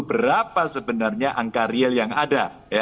berapa sebenarnya angka real yang ada